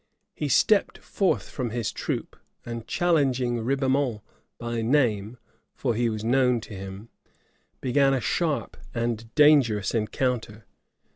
He stepped forth from his troop and challenging Ribaumont by name, (for he was known to him,) began a sharp and dangerous encounter.